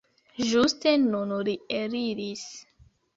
Ĝuste nun li eliris.